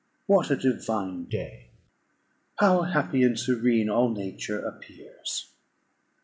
What a divine day! how happy and serene all nature appears!"